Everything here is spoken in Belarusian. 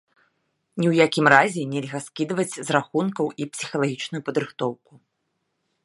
Ні ў якім разе нельга скідваць з рахункаў і псіхалагічную падрыхтоўку.